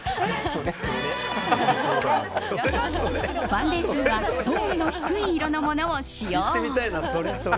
ファンデーションはトーンの低い色を使用。